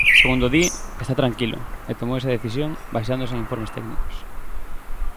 Segundo di, está tranquilo, e tomou esa decisión baseándose en informes técnicos.